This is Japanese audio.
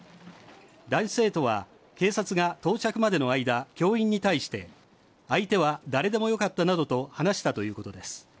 男子生徒は警察が到着までの間、教員に対して相手は誰でもよかったなどと話したということです。